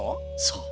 そう。